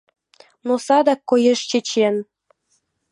Но садак коеш чечен.